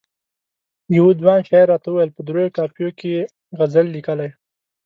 یوه ځوان شاعر راته وویل په دریو قافیو کې یې غزل لیکلی.